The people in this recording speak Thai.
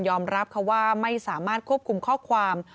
รับเขาว่าไม่สามารถควบคุมข้อความ